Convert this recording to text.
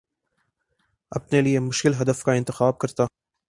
اپنے لیے مشکل ہدف کا انتخاب کرتا ہوں